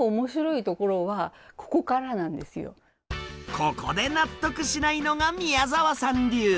ここで納得しないのが宮澤さん流！